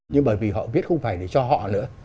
nhưng bởi vì họ viết không phải để cho họ nữa